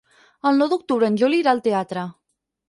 El nou d'octubre en Juli irà al teatre.